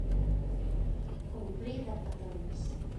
Omplir de petons.